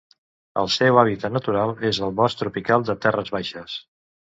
El seu hàbitat natural és el bosc tropical de terres baixes.